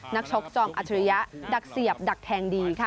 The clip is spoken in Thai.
นักชกจอมอัจฉริยะดักเสียบดักแทงดีค่ะ